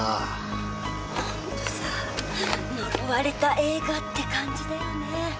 ほんとさ呪われた映画って感じだよね。